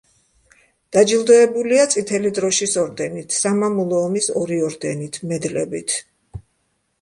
დაჯილდოებულია წითელი დროშის ორდენით, სამამულო ომის ორი ორდენით, მედლებით.